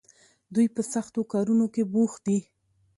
دوی په سختو کارونو کې بوخت دي.